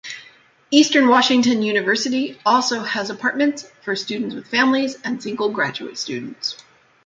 Eastern Washington University also has apartments for students with families and single graduate students.